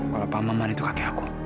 kalau pak maman itu kakek aku